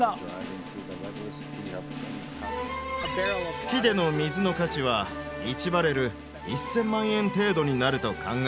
月での水の価値は１バレル１，０００万円程度になると考えられます。